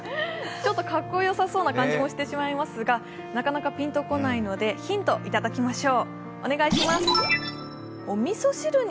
ちょっとかっこよさそうな感じもしてしまいますがなかなか正解が来ないのでピンと来ないのでヒントをいただきましょう。